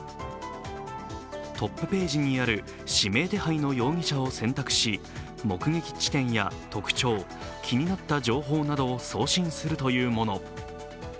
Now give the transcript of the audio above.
トップページにある指名手配の容疑者を選択し目撃地点や特徴、気になった情報などを送信するというもの。